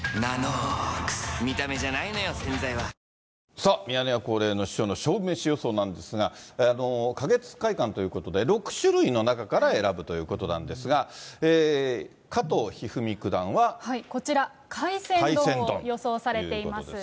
さあ、ミヤネ屋恒例の師匠の勝負メシ予想なんですが、花月会館ということで、６種類の中から選ぶということなんですが、こちら、海鮮丼を予想されています。